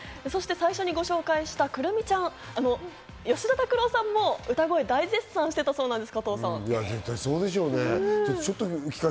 最初にご紹介した来泉ちゃん、吉田拓郎さんも歌声を絶賛していたそうです。